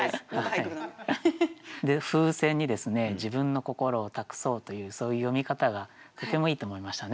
風船に自分の心を託そうというそういう詠み方がとてもいいと思いましたね。